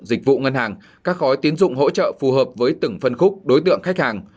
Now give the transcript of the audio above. dịch vụ ngân hàng các khói tiến dụng hỗ trợ phù hợp với từng phân khúc đối tượng khách hàng